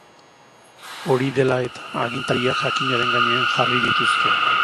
Hori dela eta, agintariak jakinaren gainean jarri dituzte.